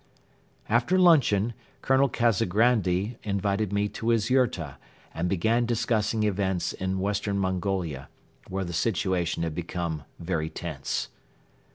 After luncheon Colonel Kazagrandi invited me to his yurta and began discussing events in western Mongolia, where the situation had become very tense.